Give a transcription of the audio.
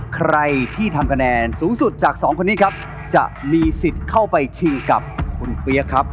ใครที่ทำคะแนนสูงสุดจากสองคนนี้ครับจะมีสิทธิ์เข้าไปชิงกับคุณเปี๊ยกครับ